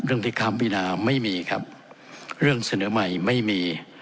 เรื่องที่ค้ามพินาไม่มีครับเรื่องเสนอใหม่ไม่มี